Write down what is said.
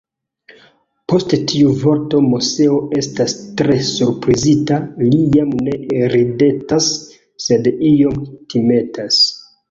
Post tiu vorto Moseo estas tre surprizita, li jam ne ridetas, sed iom timetas.